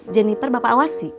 jennifer bapak awasi